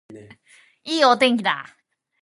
いいお天気だ